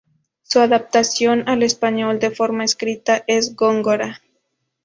Su adaptación al español de forma escrita es "Góngora".